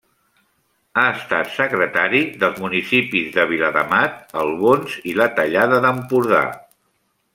Ha estat secretari dels municipis de Viladamat, Albons i La Tallada d’Empordà.